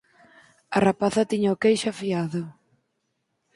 A rapaza tiña o queixo afiado.